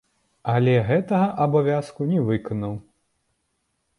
Але гэтага абавязку не выканаў.